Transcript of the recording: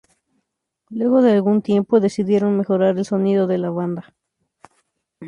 Luego de algún tiempo, decidieron mejorar el sonido de la banda.